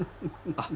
あっ。